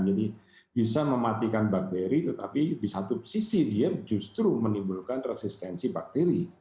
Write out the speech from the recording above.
jadi bisa mematikan bakteri tetapi di satu sisi dia justru menimbulkan resistensi bakteri